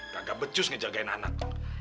gak becus ngejagain anak